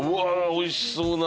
おいしそうな。